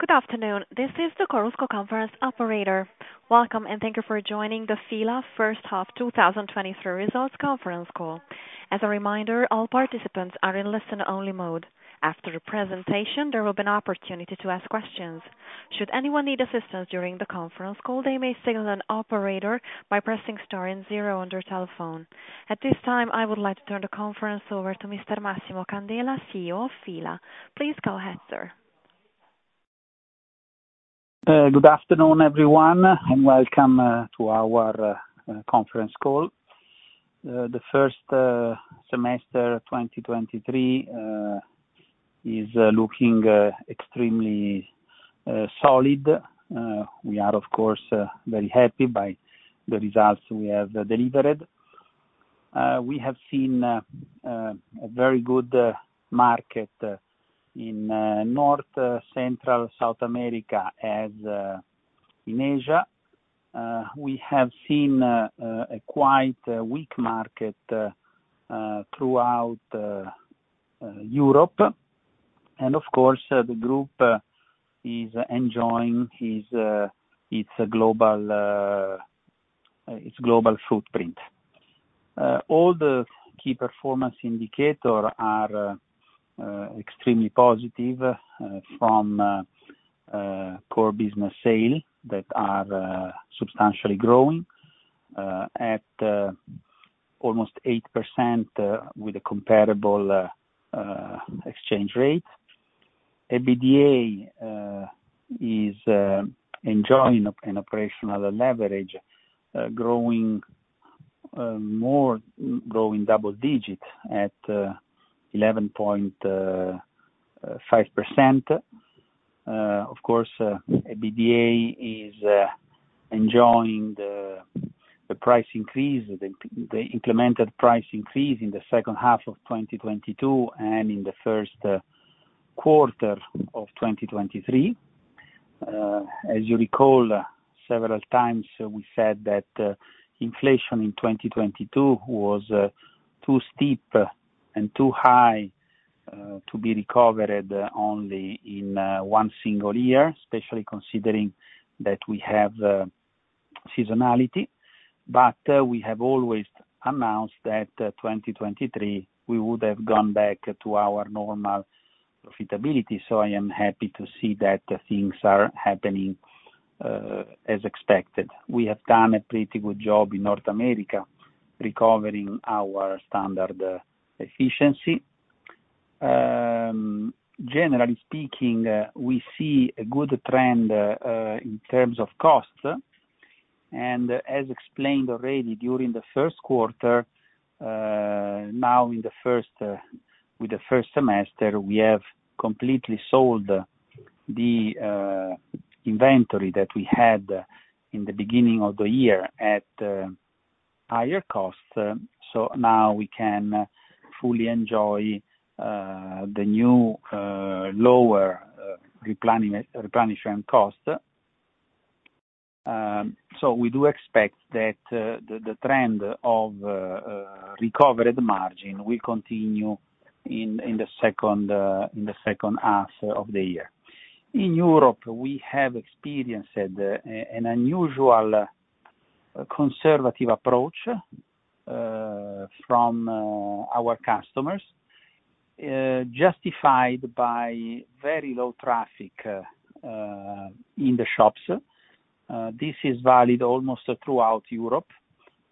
Good afternoon, this is the Chorus Call Conference operator. Welcome, and thank you for joining the F.I.L.A. first half 2023 results conference call. As a reminder, all participants are in listen-only mode. After the presentation, there will be an opportunity to ask questions. Should anyone need assistance during the conference call, they may signal an operator by pressing star and zero on their telephone. At this time, I would like to turn the conference over to Mr. Massimo Candela, CEO of F.I.L.A. Please go ahead, sir. Good afternoon, everyone, and welcome to our conference call. The first semester of 2023 is looking extremely solid. We are, of course, very happy by the results we have delivered. We have seen a very good market in North, Central, South America, as in Asia. We have seen a quite weak market throughout Europe. Of course, the group is enjoying its global, its global footprint. All the key performance indicator are extremely positive from core business sale that are substantially growing at almost 8% with a comparable exchange rate. EBITDA is enjoying an operational leverage, growing more, growing double digit at 11.5%. Of course, EBITDA is enjoying the price increase, the implemented price increase in the second half of 2022 and in the first quarter of 2023. As you recall, several times we said that inflation in 2022 was too steep and too high to be recovered only in one single year, especially considering that we have seasonality. We have always announced that 2023, we would have gone back to our normal profitability. I am happy to see that things are happening as expected. We have done a pretty good job in North America, recovering our standard efficiency. Generally speaking, we see a good trend in terms of costs. As explained already during the first quarter, now in the first, with the first semester, we have completely sold the inventory that we had in the beginning of the year at higher costs, so now we can fully enjoy the new, lower replenishment cost. We do expect that the trend of recovered margin will continue in the second, in the second half of the year. In Europe, we have experienced an unusual conservative approach from our customers, justified by very low traffic in the shops. This is valid almost throughout Europe,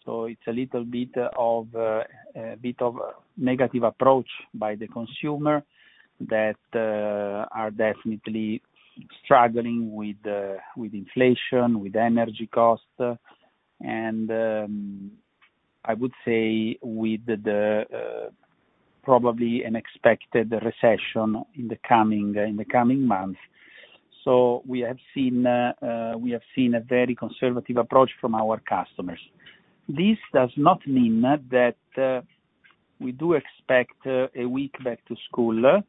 so it's a little bit of a bit of a negative approach by the consumer, that are definitely struggling with inflation, with energy costs, and I would say with the probably an expected recession in the coming in the coming months. We have seen a very conservative approach from our customers. This does not mean that we do expect a weak back to school,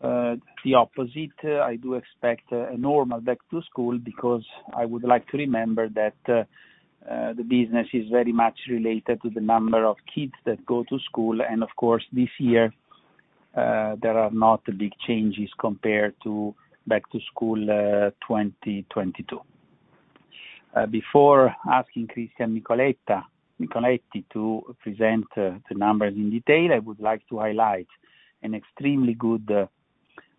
the opposite. I do expect a normal back to school because I would like to remember that the business is very much related to the number of kids that go to school. Of course, this year, there are not big changes compared to back to school 2022. Cristian Nicoletti to present the numbers in detail, I would like to highlight extremely good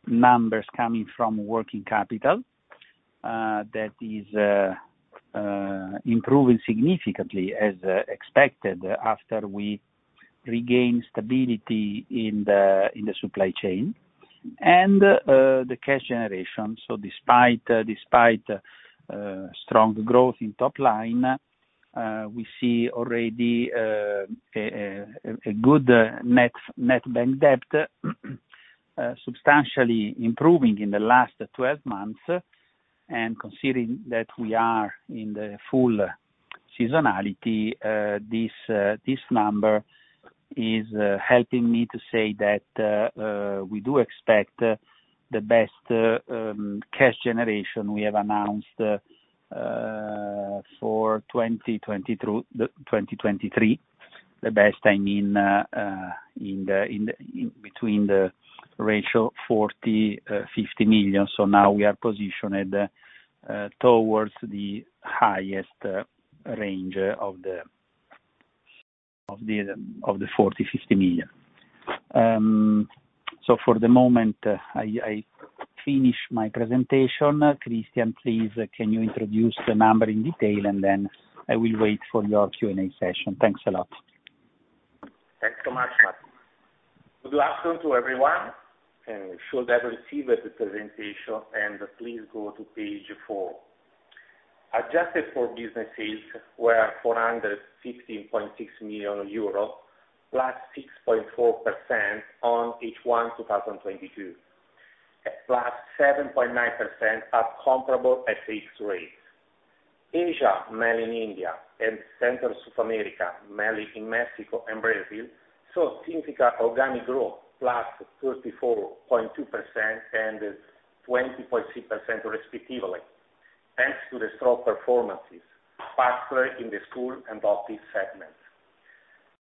numbers coming from working capital that is improving significantly as expected, after we regain stability in the supply chain and the cash generation. Despite strong growth in top line, we see already a good net bank debt substantially improving in the last 12 months. Considering that we are in the full seasonality, this number is helping me to say that we do expect the best cash generation we have announced for 2020 through 2023, the best I mean, in between the ratio 40 million-50 million Now we are positioned towards the highest range of the, of the, of the 40 million-50 million. For the moment, I, I finish my presentation. Cristian, please, can you introduce the number in detail, and then I will wait for your Q&A session. Thanks a lot. Thanks so much, Massimo. Good afternoon to everyone, should have received the presentation, please go to page 4. Adjusted for business sales were 460.6 million euro, +6.4% on H1 2022, +7.9% at comparable FX rates. Asia, mainly in India, and Central South America, mainly in Mexico and Brazil, saw significant organic growth, +34.2% and 20.6% respectively, thanks to the strong performances, particularly in the School & Office segments.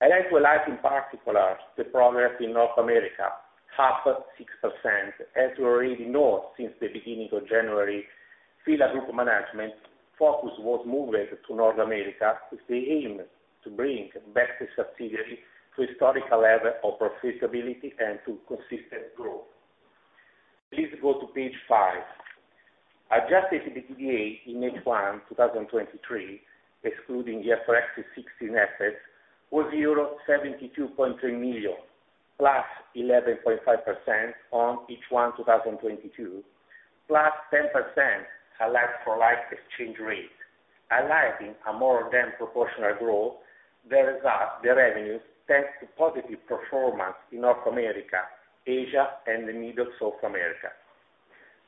I'd like to highlight in particular, the progress in North America, up 6%. As you already know, since the beginning of January, F.I.L.A. group management focus was moved to North America with the aim to bring back the subsidiary to a historical level of profitability and to consistent growth. Please go to page 5. Adjusted EBITDA in H1 2023, excluding the IFRS 16 assets, was euro 72.3 million, +11.5% on H1 2022, +10% like-for-like exchange rate, highlighting a more than proportional growth that is up the revenue, thanks to positive performance in North America, Asia, and Central South America.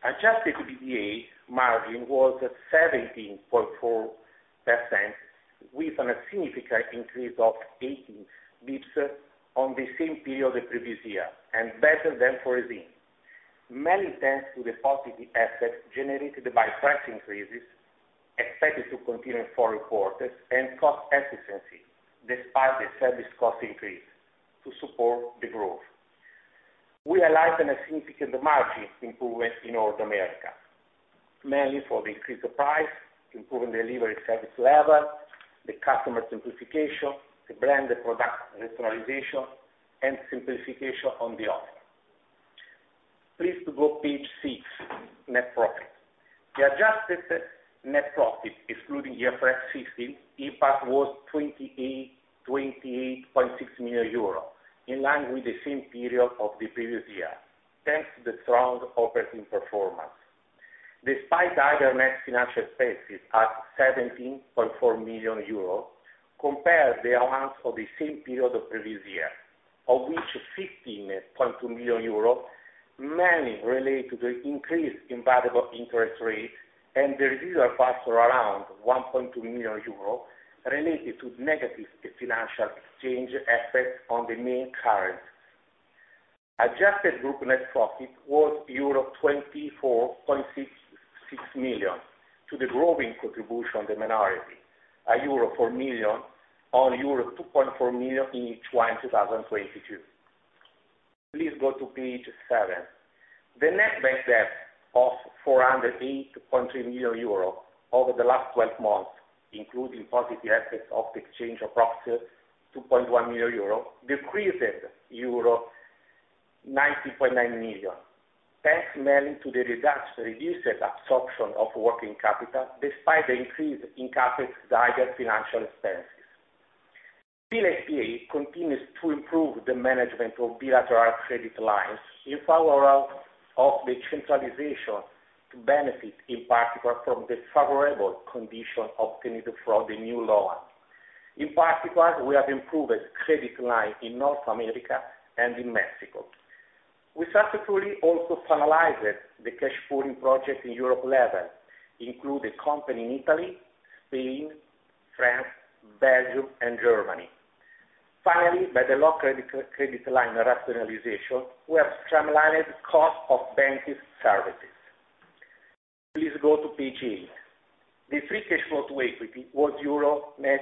Adjusted EBITDA margin was 17.4%, with a significant increase of 18 BPS on the same period the previous year, and better than foreseen, mainly thanks to the positive assets generated by price increases, expected to continue in 4 quarters, and cost efficiency, despite the service cost increase to support the growth. We highlight a significant margin improvement in North America, mainly for the increased price, improving delivery service level, the customer simplification, the brand and product rationalization, and simplification on the offer. Please to go page 6, net profit. The adjusted net profit, excluding the IFRS 16 impact, was 28.6 million euros, in line with the same period of the previous year, thanks to the strong operating performance. Despite higher net financial expenses at 17.4 million euros, compare the amounts of the same period of previous year, of which 15.2 million euros, mainly relate to the increase in variable interest rate and the residual parts were around 1.2 million euro, related to negative financial exchange assets on the main current. Adjusted group net profit was euro 24.6 million to the growing contribution of the minority, a euro 4 million on euro 2.4 million in H1 2022. Please go to page 7. The net bank debt of 408.3 million euro over the last 12 months, including positive assets of the exchange of proxy, 2.1 million euro, decreased euro 90.9 million. Thanks mainly to the reduced absorption of working capital, despite the increase in capital, higher financial expenses. F.I.L.A. S.p.A. continues to improve the management of bilateral credit lines in favor of the centralization to benefit, in particular, from the favorable condition obtained from the new loan. In particular, we have improved credit line in North America and in Mexico. We successfully also finalized the cash pooling project in Europe level, including company in Italy, Spain, France, Belgium, and Germany. Finally, by the low credit line rationalization, we have streamlined cost of banking services. Please go to page 8. The free cash flow to equity was EUR net,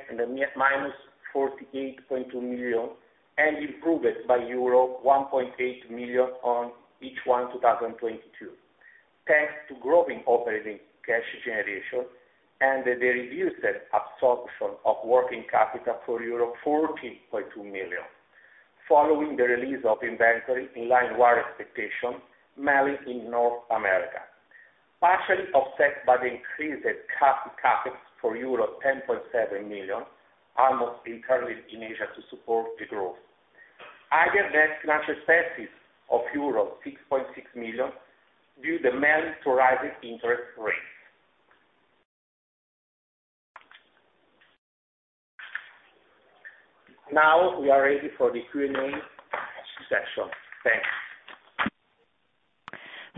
minus 48.2 million, and improved by euro 1.8 million on H1 2022, thanks to growing operating cash generation and the reduced absorption of working capital for 14.2 million, following the release of inventory in line with our expectation, mainly in North America. Partially offset by the increased capex for euros 10.7 million, almost entirely in Asia to support the growth. Higher net financial expenses of euro 6.6 million, due mainly to rising interest rates. Now, we are ready for the Q&A session.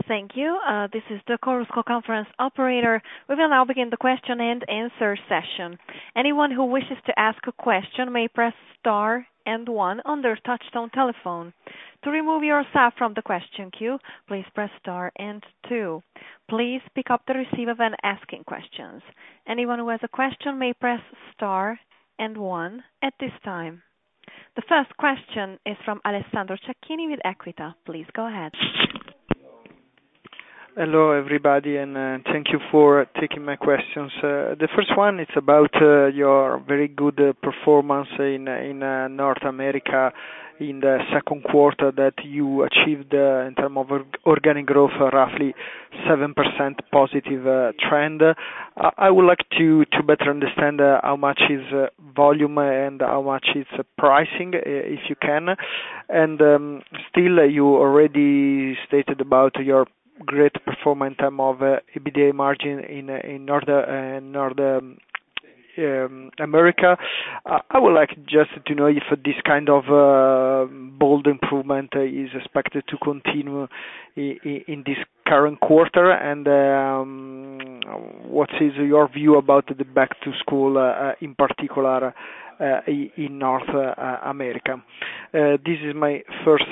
Thanks. Thank you. This is the Chorus Call conference operator. We will now begin the question and answer session. Anyone who wishes to ask a question may press star and one on their touchtone telephone. To remove yourself from the question queue, please press star and two. Please pick up the receiver when asking questions. Anyone who has a question may press star and one at this time. The first question is from Alessandro Cecchini with Equita. Please go ahead. Hello, everybody, thank you for taking my questions. The first one is about your very good performance in North America in the second quarter that you achieved in term of organic growth, roughly 7% positive trend. I would like to better understand how much is volume and how much is pricing, if you can. Still, you already stated about your great performance in term of EBITDA margin in North in North America. I would like just to know if this kind of bold improvement is expected to continue in this current quarter, what is your view about the back to school in particular in North America? This is my first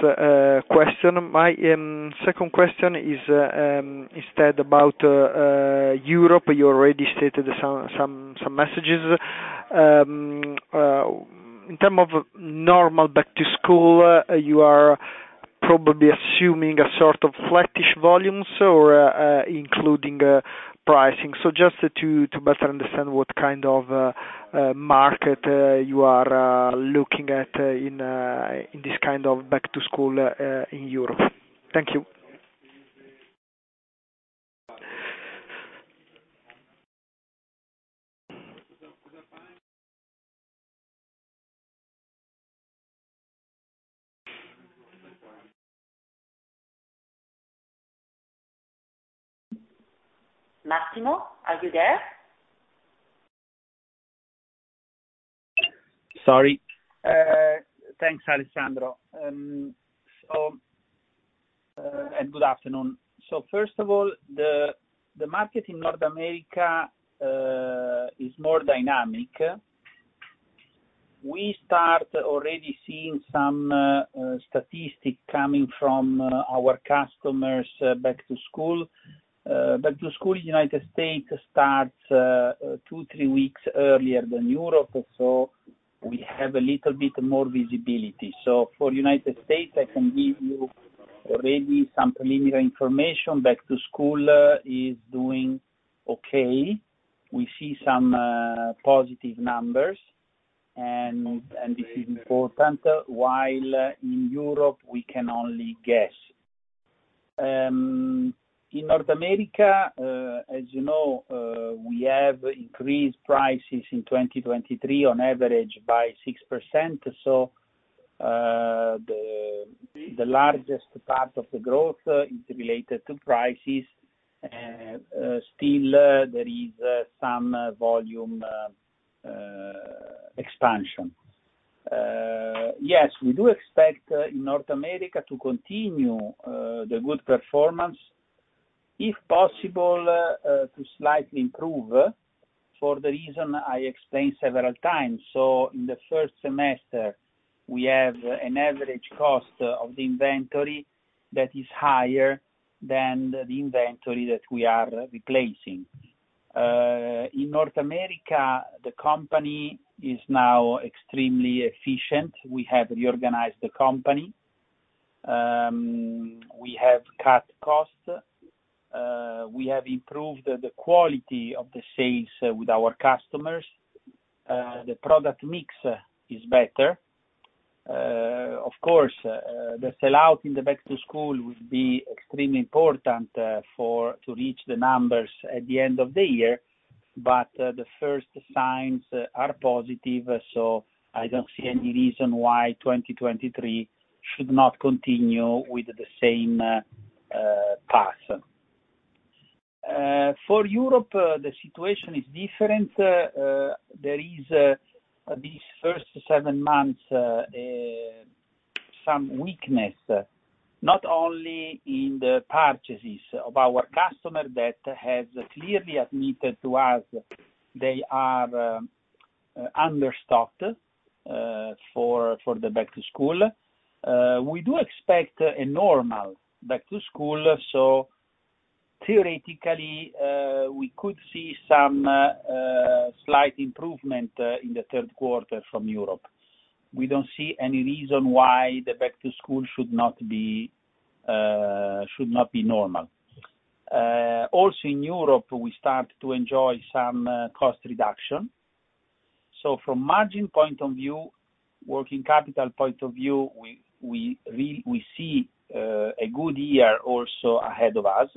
question. My second question is instead about Europe. You already stated some, some, some messages. In term of normal back to school, you are probably assuming a sort of flattish volumes or including pricing. Just to better understand what kind of market you are looking at in this kind of back to school in Europe. Thank you. Massimo, are you there? Sorry. Thanks, Alessandro, and good afternoon. First of all, the market in North America is more dynamic. We start already seeing some statistic coming from our customers back to school. Back to school in United States starts two, three weeks earlier than Europe, so we have a little bit more visibility. For United States, I can give you already some preliminary information. Back to school is doing okay. We see some positive numbers, and, and this is important, while in Europe, we can only guess. In North America, as you know, we have increased prices in 2023 on average by 6%, the, the largest part of the growth is related to prices. Still, there is some volume expansion. Yes, we do expect in North America to continue the good performance, if possible, to slightly improve for the reason I explained several times. So in the first semester, we have an average cost of the inventory that is higher than the inventory that we are replacing. In North America, the company is now extremely efficient. We have reorganized the company. We have cut costs. We have improved the quality of the sales with our customers. The product mix is better. Of course, the sell-out in the back to school will be extremely important for to reach the numbers at the end of the year, but the first signs are positive, so I don't see any reason why 2023 should not continue with the same path. For Europe, the situation is different. There is these first seven months some weakness, not only in the purchases of our customer that has clearly admitted to us they are under stocked for for the back to school. We do expect a normal back to school, so theoretically, we could see some slight improvement in the third quarter from Europe. We don't see any reason why the back to school should not be should not be normal. Also in Europe, we start to enjoy some cost reduction. From margin point of view, working capital point of view, we see a good year also ahead of us.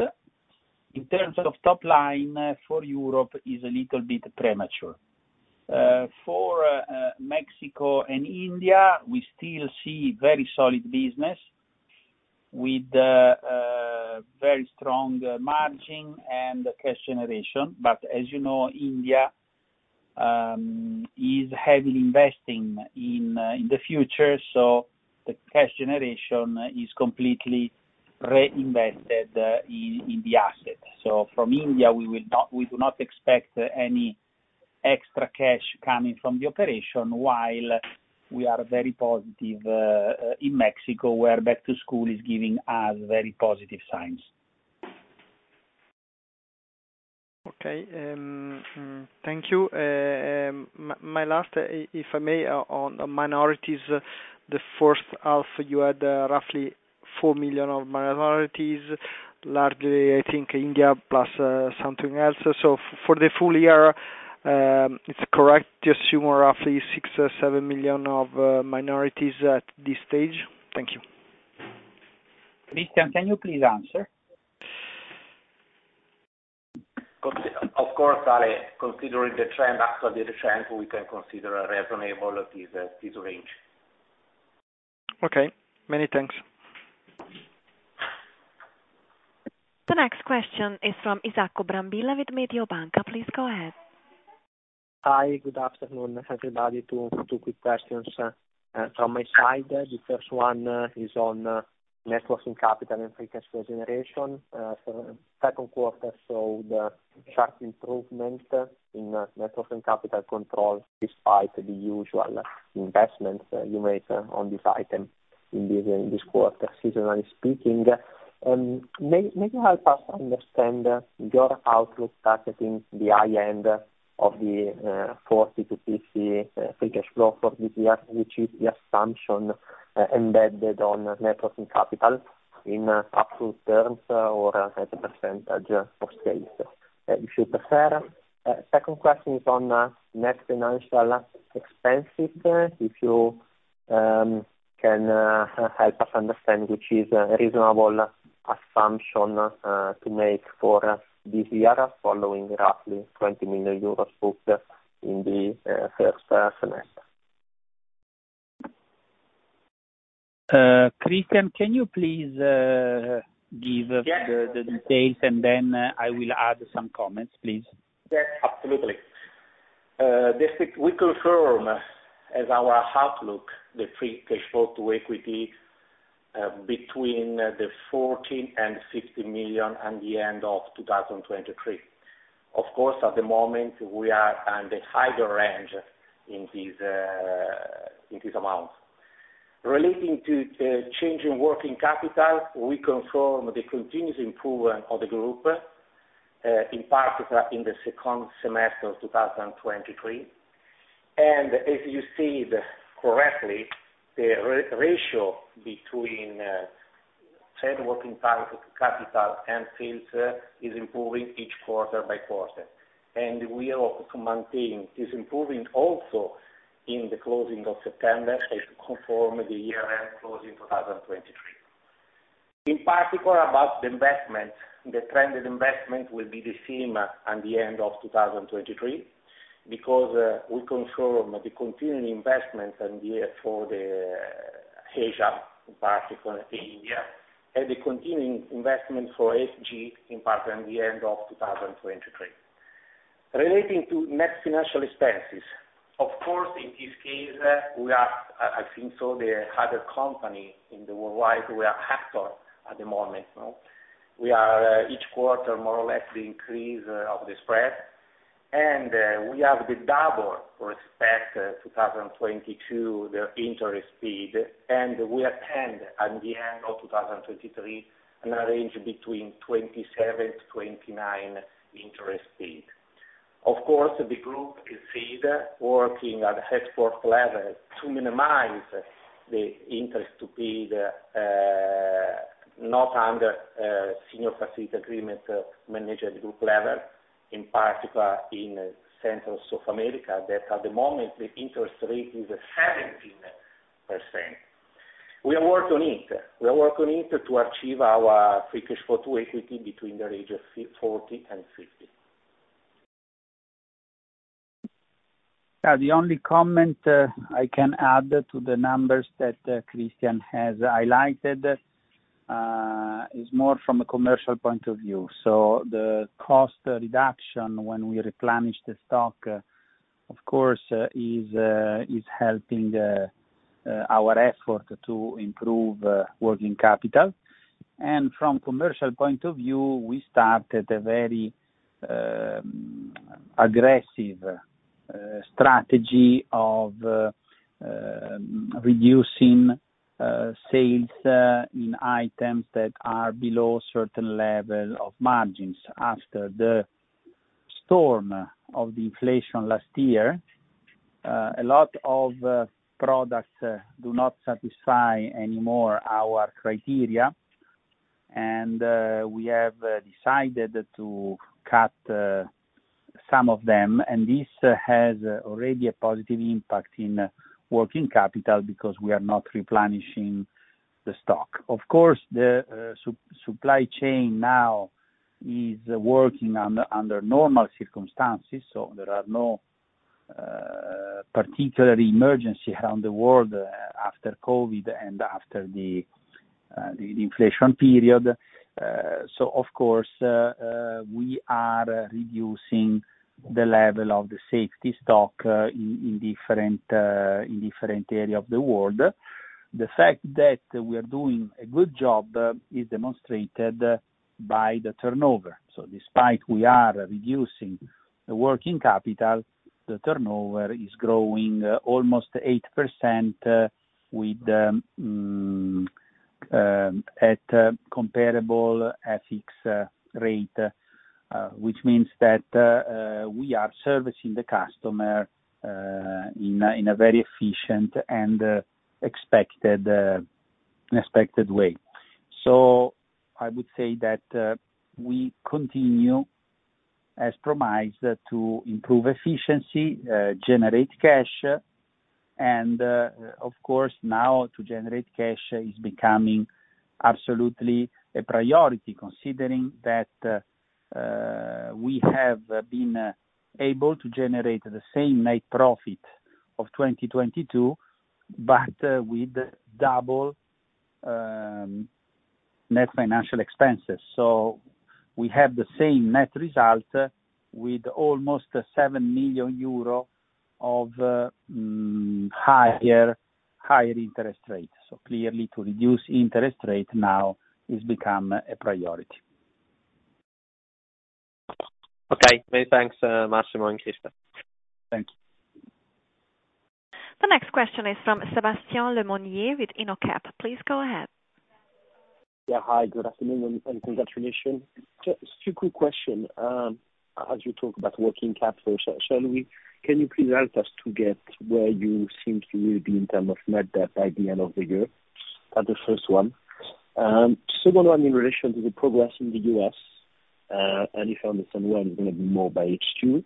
In terms of top line for Europe is a little bit premature. For Mexico and India, we still see very solid business with very strong margin and cash generation. As you know, India is heavily investing in the future, so the cash generation is completely reinvested in the asset. From India, we will not -- we do not expect extra cash coming from the operation, while we are very positive in Mexico, where back to school is giving us very positive signs. Okay, thank you. My last, if I may, on minorities, the first half, you had roughly 4 million of minorities, largely, I think India plus, something else. For the full year, it's correct to assume roughly 6 million-7 million of minorities at this stage? Thank you. Cristian, can you please answer? Of course, Ale, considering the trend, after the trend, we can consider reasonable this, this range. Okay. Many thanks. The next question is from Isacco Brambilla with Mediobanca. Please go ahead. Hi, good afternoon, everybody. Two quick questions from my side. The first one is on net working capital and free cash flow generation. Second quarter, the sharp improvement in net working capital control despite the usual investments you made on this item in this quarter, seasonally speaking. May you help us understand your outlook targeting the high end of the 40-50 free cash flow for this year, which is the assumption embedded on net working capital in absolute terms or as a percentage of sales, if you prefer? Second question is on net financial expenses. If you can help us understand, which is a reasonable assumption to make for this year, following roughly 20 million euros booked in the first semester. Cristian, can you please, give the, the details, and then, I will add some comments, please. Yes, absolutely. This we confirm as our outlook, the free cash flow to equity, between the 40 million and 60 million at the end of 2023. Of course, at the moment, we are on the higher range in this, in this amount. Relating to changing working capital, we confirm the continuous improvement of the group, in particular, in the second semester of 2023. As you said correctly, the ratio between said working capital and sales, is improving each quarter by quarter. We are hoping to maintain this improvement also in the closing of September, as to confirm the year end closing 2023. In particular, about the investment, the trend of investment will be the same at the end of 2023, because we confirm the continuing investment in the, for the, Asia, in particular India, and the continuing investment for HG, in particular, the end of 2023. Relating to net financial expenses, of course, in this case, we are, I, I think so, the other company in the worldwide, we are actor at the moment, no? We are each quarter, more or less, the increase of the spread, and we have the double respect 2022, the interest paid, and we attend at the end of 2023, in a range between 27-29 interest paid. Of course, the group is still working at the headquarter level to minimize the interest to pay the not under Senior Facility Agreement, managed at group level, in particular in Central South America, that at the moment, the interest rate is 17%. We are work on it. We are work on it to achieve our free cash flow to equity between the range of 40 and 50. The only comment I can add to the numbers that Cristian has highlighted is more from a commercial point of view. The cost reduction when we replenish the stock, of course, is helping our effort to improve working capital. From commercial point of view, we started a very aggressive strategy of reducing sales in items that are below certain level of margins. After the storm of the inflation last year, a lot of products do not satisfy anymore our criteria, and we have decided to cut some of them, and this has already a positive impact in working capital because we are not replenishing the stock. upply chain now is working under, under normal circumstances, so there are no particular emergency around the world after COVID and after the inflation period. So of course, we are reducing the level of the safety stock in different in different area of the world. The fact that we are doing a good job is demonstrated by the turnover. So despite we are reducing the working capital, the turnover is growing almost 8% with at comparable FX rate, which means that we are servicing the customer in a in a very efficient and expected expected way. I would say that we continue, as promised, to improve efficiency, generate cash, and, of course, now to generate cash is becoming absolutely a priority, considering that we have been able to generate the same net profit of 2022, but with double net financial expenses. We have the same net result with almost 7 million euro of higher, higher interest rates. Clearly, to reduce interest rate now is become a priority. Okay. Many thanks, Massimo and Cristian. Thank you. The next question is from Sébastien Lemonnier with INOCAP. Please go ahead. Yeah, hi, good afternoon, and, and congratulations. Just two quick question. As you talk about working capital, can you please help us to get where you think you will be in terms of net debt by the end of the year? That the first one. Second one, in relation to the progress in the US, and if I understand well, it's gonna be more by H2.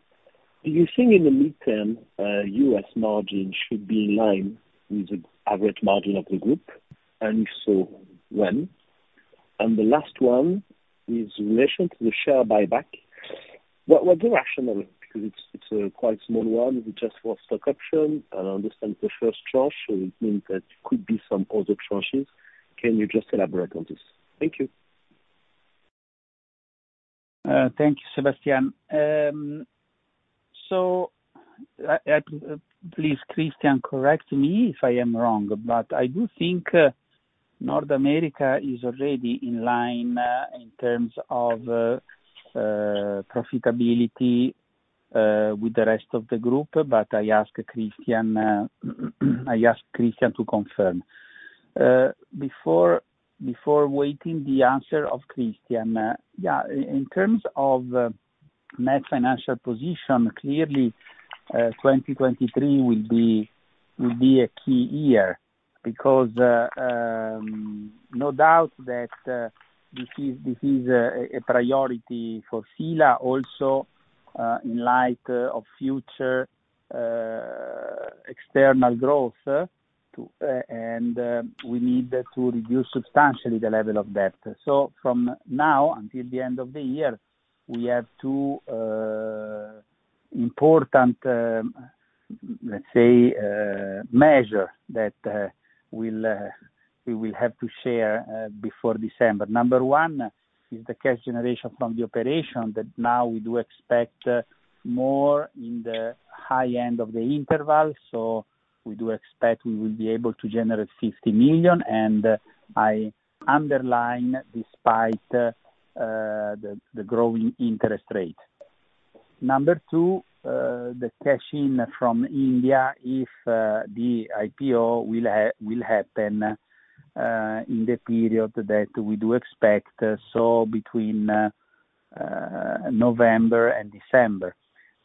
Do you think in the midterm, US margin should be in line with the average margin of the group? If so, when? The last one is in relation to the share buyback. What, what's the rationale? Because it's, it's a quite small one. Is it just for stock option? I understand the first tranche, so it means that could be some other tranches. Can you just elaborate on this? Thank you. Thank you, Sebastian. Please, Cristian, correct me if I am wrong, but I do think North America is already in line in terms of profitability with the rest of the group, but I ask Cristian, I ask Cristian to confirm. Before, before waiting the answer of Cristian, yeah, in terms of net financial position, clearly, 2023 will be, will be a key year because no doubt that this is, this is a, a priority for F.I.L.A. also in light of future external growth, to, and we need to reduce substantially the level of debt. From now until the end of the year, we have 2 important, let's say, measure that we'll we will have to share before December. Number one, is the cash generation from the operation that now we do expect more in the high end of the interval, so we do expect we will be able to generate 50 million, and I underline, despite the growing interest rate. Number two, the cash-in from India, if the IPO will happen in the period that we do expect, so between November and December.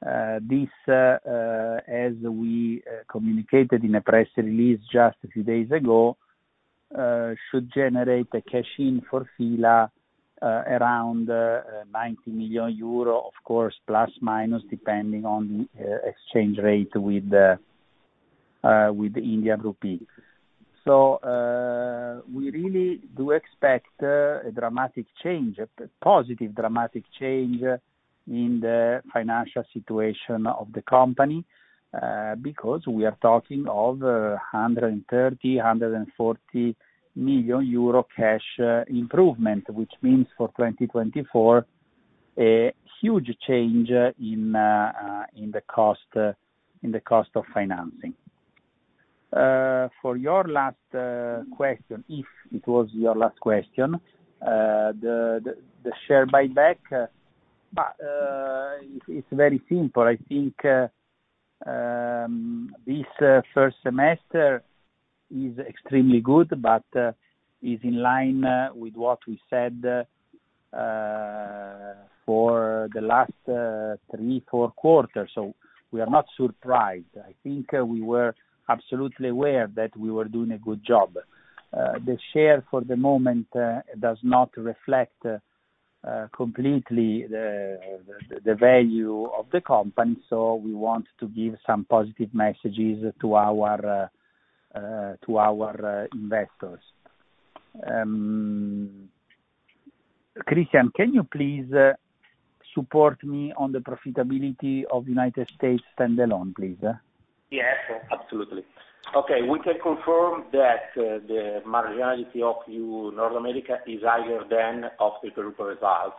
This, as we communicated in a press release just a few days ago, should generate a cash-in for F.I.L.A. around 90 million euro, of course, plus, minus, depending on the exchange rate with the Indian rupee. We really do expect a dramatic change, a positive dramatic change in the financial situation of the company, because we are talking of 130 million-140 million euro cash improvement, which means for 2024, a huge change in the cost in the cost of financing. For your last question, if it was your last question, the the the share buyback, it's it's very simple. I think this first semester is extremely good, but is in line with what we said for the last 3-4 quarters, so we are not surprised. I think we were absolutely aware that we were doing a good job. The share for the moment does not reflect completely the value of the company. We want to give some positive messages to our investors. Cristian, can you please support me on the profitability of United States standalone, please? Yes, absolutely. Okay, we can confirm that the marginality of North America is higher than of the group results....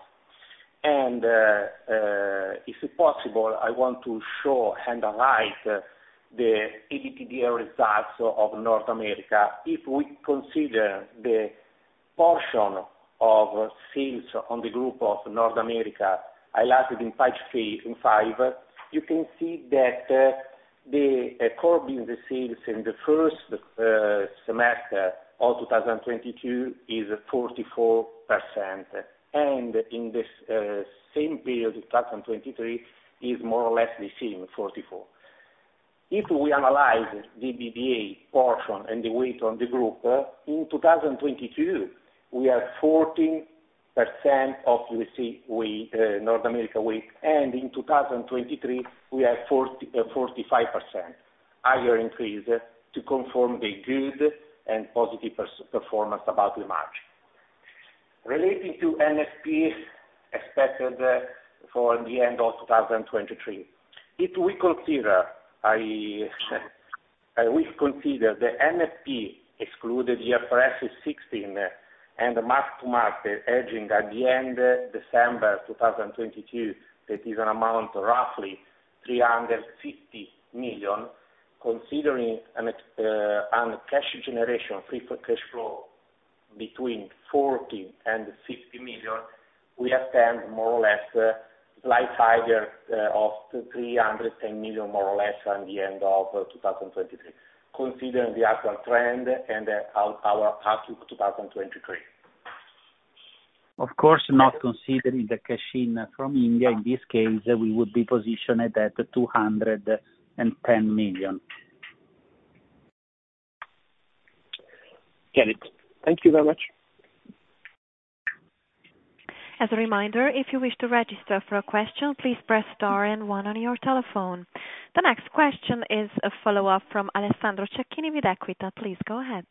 if possible, I want to show, analyze the EBITDA results of North America. If we consider the portion of sales on the group of North America, highlighted in page 3, in 5, you can see that the core business sales in the first semester of 2022 is 44%, and in this same period, 2023, is more or less the same, 44. If we analyze the EBITDA portion and the weight on the group in 2022, we are 14% of the C weight, North America weight, and in 2023, we are 45%. Higher increase to confirm the good and positive performance about the margin. Relating to NFP, expected for the end of 2023. If we consider, we consider the NFP excluded year for IFRS 16, and the mark-to-market hedging at the end December 2022, that is an amount roughly 350 million, considering an cash generation, free for cash flow between 40 million and 60 million, we have 10, more or less, slight higher, of 310 million, more or less, on the end of 2023, considering the actual trend and our outlook 2023. Of course, not considering the cash in from India, in this case, we would be positioned at, at 210 million. Get it. Thank you very much. As a reminder, if you wish to register for a question, please press star and one on your telephone. The next question is a follow-up from Alessandro Cecchini with Equita. Please, go ahead.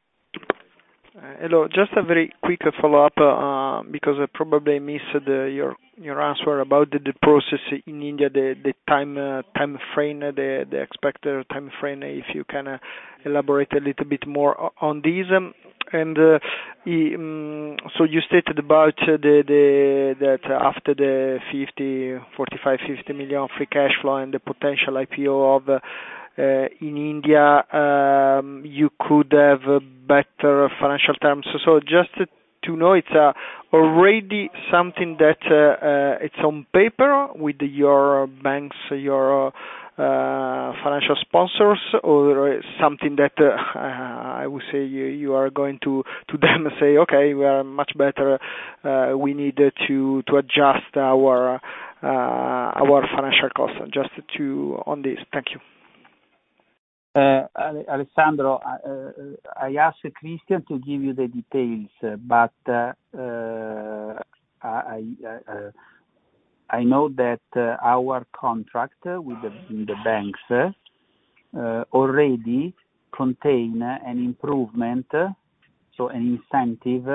Hello, just a very quick follow-up, because I probably missed your answer about the process in India, the time, time frame, the expected time frame, if you can elaborate a little bit more on this? You stated about the, that after the 50, 45, 50 million free cash flow and the potential IPO in India, you could have better financial terms. Just to know, it's already something that it's on paper with your banks, your financial sponsors, or something that I would say, you are going to them and say, "Okay, we are much better, we need to adjust our financial costs," just to, on this. Thank you. Alessandro, I ask Cristian to give you the details, but I know that our contract with the banks already contain an improvement, so an incentive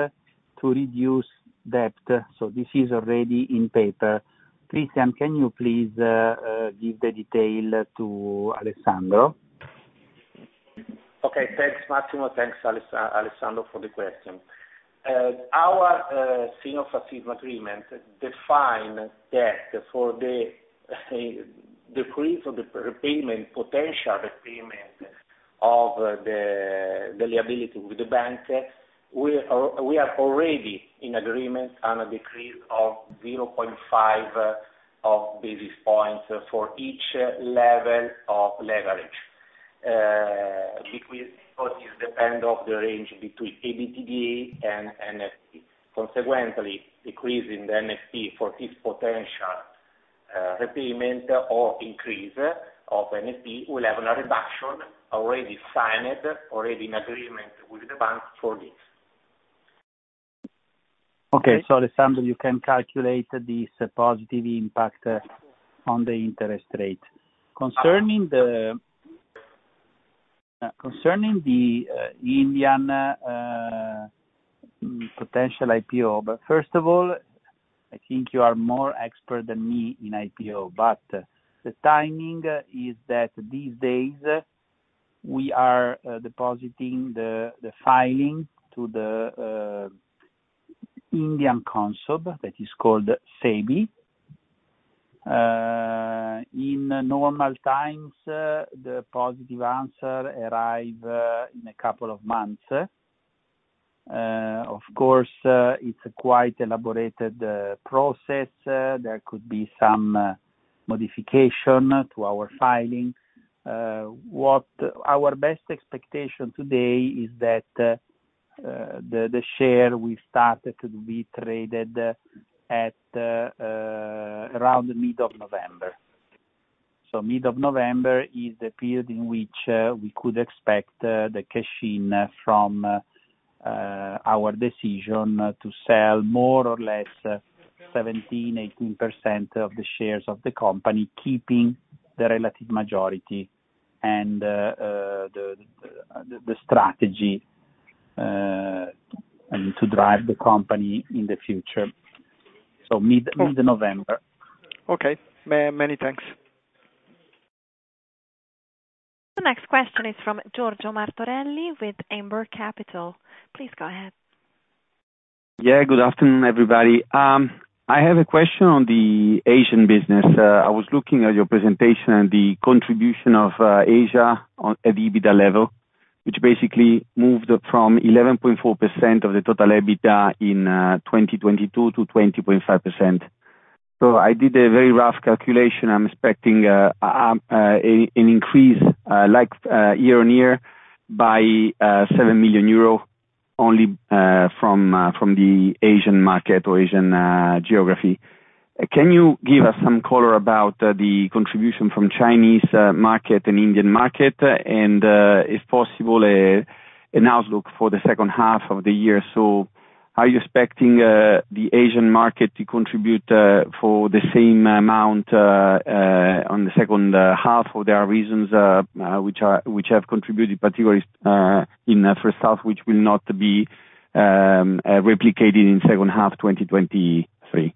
to reduce debt. This is already in paper. Cristian, can you please give the detail to Alessandro? Okay. Thanks, Massimo. Thanks, Alessandro, for the question. Our syndicated facility agreement define that for the decrease of the repayment, potential repayment of the liability with the bank, we are already in agreement on a decrease of 0.5 of basis points for each level of leverage. Because it depend on the range between EBITDA and, and consequently, decreasing the NFP for each potential repayment or increase of NFP, we'll have a reduction already signed, already in agreement with the bank for this. Okay. Alessandro, you can calculate this positive impact on the interest rate. Concerning the, concerning the Indian potential IPO, but first of all, I think you are more expert than me in IPO, but the timing is that these days we are depositing the filing to the Indian council, that is called SEBI. In normal times, the positive answer arrive in a couple of months. Of course, it's a quite elaborated process. There could be some modification to our filing. What our best expectation today is that the share we started to be traded at around the mid of November. Mid of November is the period in which we could expect the cash-in from our decision to sell more or less 17%-18% of the shares of the company, keeping the relative majority and the strategy and to drive the company in the future. Mid, mid November. Okay. many thanks. The next question is from Giorgio Martorella with Amber Capital. Please go ahead. Yeah, good afternoon, everybody. I have a question on the Asian business. I was looking at your presentation and the contribution of Asia on, at EBITDA level, which basically moved up from 11.4% of the total EBITDA in 2022 to 20.5%. I did a very rough calculation. I'm expecting an increase like year-on-year by 7 million euro only from the Asian market or Asian geography. Can you give us some color about the contribution from Chinese market and Indian market? If possible, an outlook for the second half of the year. Are you expecting the Asian market to contribute for the same amount on the second half? There are reasons which have contributed, particularly, in the first half, which will not be replicated in second half, 2023?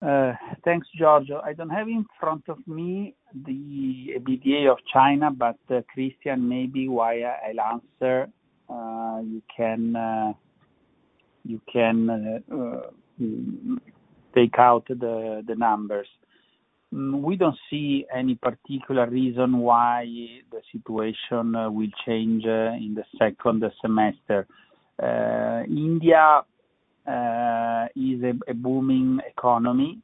Thanks, Giorgio. I don't have in front of me the EBITDA of China, but Christian, maybe while I'll answer, you can, you can, take out the numbers. We don't see any particular reason why the situation will change in the second semester. India is a booming economy.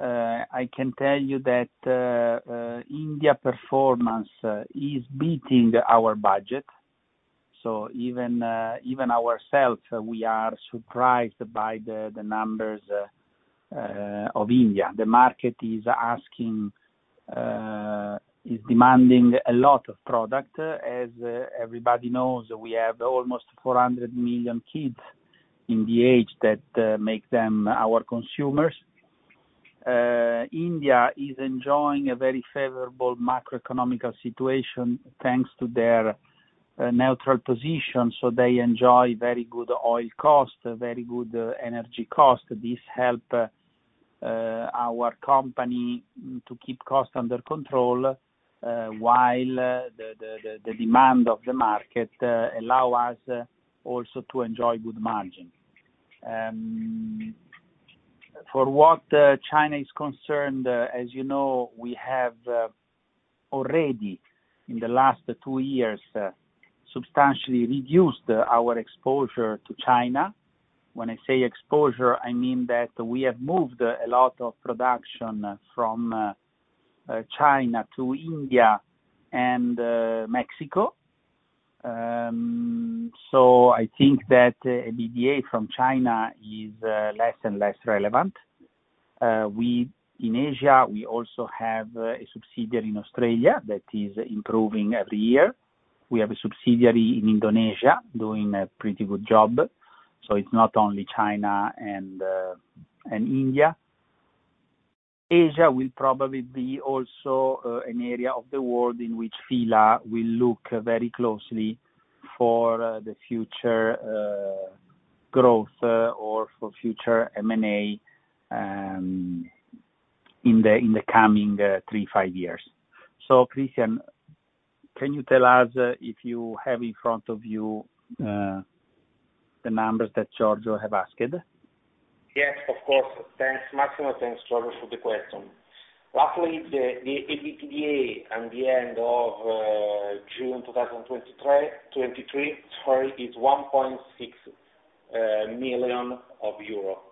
I can tell you that India performance is beating our budget. Even ourselves, we are surprised by the numbers of India. The market is asking, is demanding a lot of product. As everybody knows, we have almost 400 million kids in the age that make them our consumers. India is enjoying a very favorable macroeconomic situation, thanks to their neutral position, so they enjoy very good oil cost, very good energy cost. This help our company to keep costs under control while the demand of the market allow us also to enjoy good margin. For what China is concerned, as you know, we have already, in the last two years, substantially reduced our exposure to China. When I say exposure, I mean that we have moved a lot of production from China to India and Mexico. I think that EBITDA from China is less and less relevant. In Asia, we also have a subsidiary in Australia that is improving every year. We have a subsidiary in Indonesia, doing a pretty good job. It's not only China and India. Asia will probably be also, an area of the world in which F.I.L.A. will look very closely for, the future, growth, or for future M&A, in the, in the coming, three, five years. Christian, can you tell us, if you have in front of you, the numbers that Giorgio have asked? Yes, of course. Thanks, Massimo, thanks, Giorgio, for the question. Roughly, the EBITDA at the end of June 2023, sorry, is 1.6 million euro.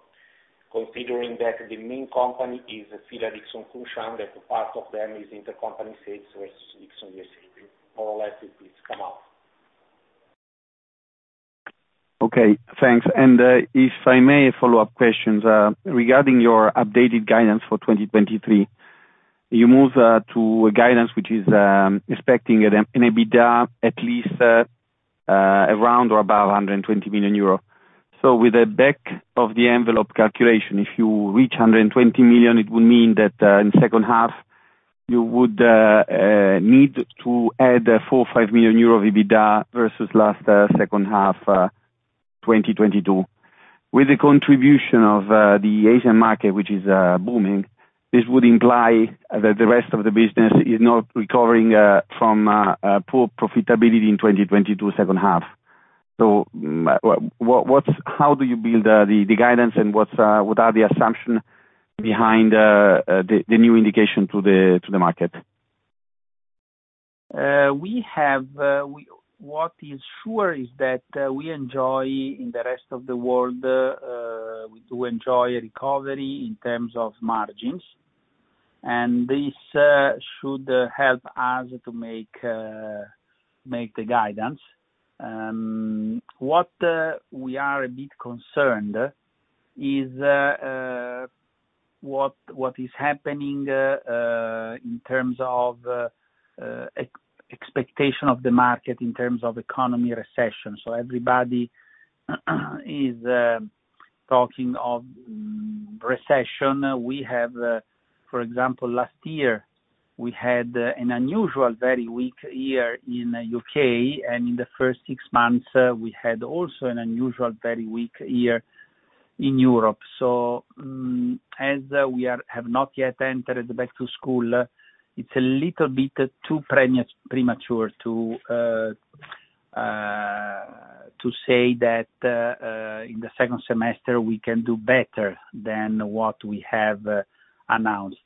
Considering that the main company is Fila-Dixon Kunshan, that part of them is intercompany sales, so it's Dickson USA. More or less, it please come out. Okay, thanks. If I may, a follow-up question. Regarding your updated guidance for 2023, you moved to a guidance which is expecting an, an EBITDA, at least, around or above 120 million euro. With a back of the envelope calculation, if you reach 120 million, it would mean that in second half, you would need to add 4 million-5 million euro EBITDA versus last second half 2022. With the contribution of the Asian market, which is booming, this would imply that the rest of the business is not recovering from a poor profitability in 2022 second half. What, what's...? How do you build, the, the guidance, and what's, what are the assumptions behind, the, the new indication to the, to the market? We have, What is sure is that, we enjoy, in the rest of the world, we do enjoy a recovery in terms of margins, and this should help us to make, make the guidance. What we are a bit concerned is what, what is happening in terms of expectation of the market, in terms of economy recession. Everybody, is talking of, recession. We have, for example, last year, we had an unusual, very weak year in U.K., and in the first six months, we had also an unusual, very weak year in Europe. As we are, have not yet entered back to school, it's a little bit too premature to say that in the second semester, we can do better than what we have announced.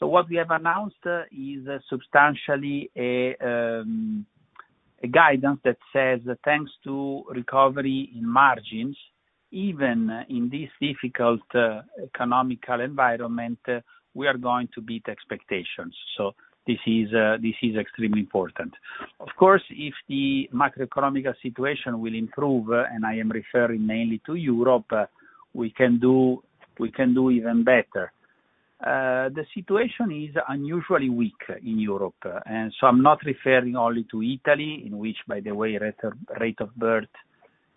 What we have announced is substantially a guidance that says, that thanks to recovery in margins, even in this difficult economic environment, we are going to beat expectations. This is extremely important. Of course, if the macroeconomic situation will improve, and I am referring mainly to Europe, we can do, we can do even better. The situation is unusually weak in Europe, and so I'm not referring only to Italy, in which, by the way, rate of, rate of birth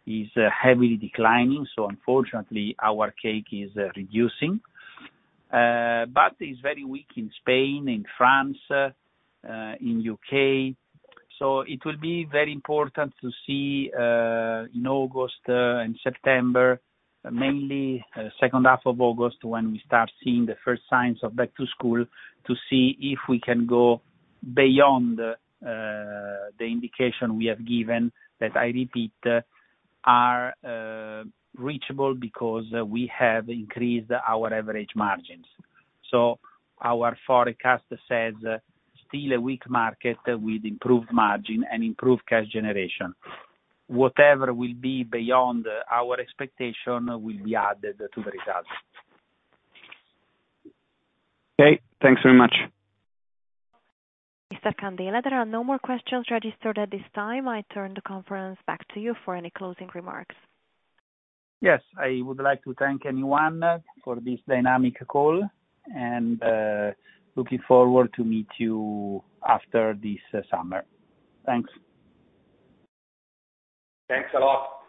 is heavily declining, so unfortunately, our cake is reducing. Is very weak in Spain, in France, in U.K. It will be very important to see, in August, and September, mainly, second half of August, when we start seeing the first signs of back to school, to see if we can go beyond the indication we have given, that I repeat, are reachable because we have increased our average margins. Our forecast says, still a weak market with improved margin and improved cash generation. Whatever will be beyond our expectation will be added to the results. Okay, thanks very much. Mr. Candela, there are no more questions registered at this time. I turn the conference back to you for any closing remarks. Yes, I would like to thank anyone for this dynamic call, and looking forward to meet you after this summer. Thanks. Thanks a lot.